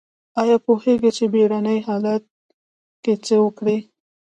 ایا پوهیږئ چې بیړني حالت کې څه وکړئ؟